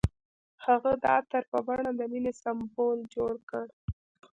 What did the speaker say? هغه د عطر په بڼه د مینې سمبول جوړ کړ.